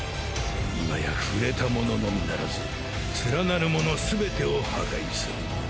今や触れたもののみならず連なるもの全てを破壊する。